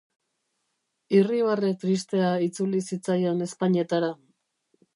Irribarre tristea itzuli zitzaion ezpainetara.